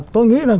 tôi nghĩ là